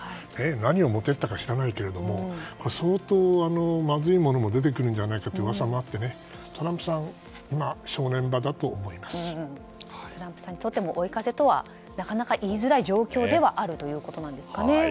何を持っていったか知らないけど相当まずいものも出てくるんじゃないかという噂もあって、トランプさんはトランプさんにとっても追い風とはなかなか言いづらい状況ではあるんですかね。